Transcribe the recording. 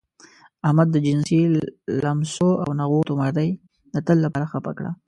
احمد د جنسي لمسو او نغوتو مرۍ د تل لپاره خپه کړه.